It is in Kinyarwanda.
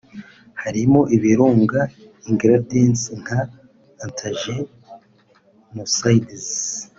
harimo ibirungo (ingredients) nka antracenosides